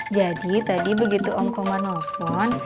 jadi tadi begitu om komar nelfon